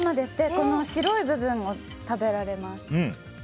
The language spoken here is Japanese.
この白い部分も食べられます。